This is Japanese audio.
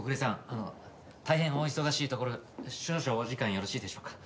あの大変お忙しいところ少々お時間よろしいでしょうか？